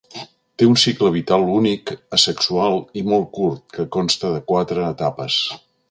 Té un cicle vital únic asexual i molt curt que consta de quatre etapes.